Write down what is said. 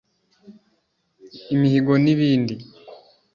imihigo n’ibindi